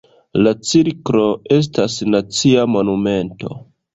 La cirklo estas nacia monumento.